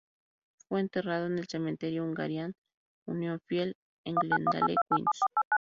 Fue enterrado en el Cementerio Hungarian Union Field, en Glendale, Queens.